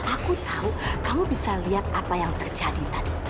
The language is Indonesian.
aku tahu kamu bisa lihat apa yang terjadi tadi